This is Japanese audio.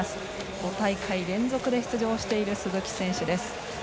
５大会連続で出場している鈴木選手です。